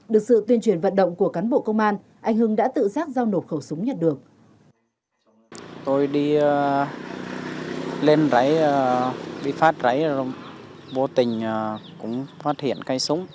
được sự tuyên truyền vận động của cán bộ công an anh hưng đã tự giác giao nộp khẩu súng nhận được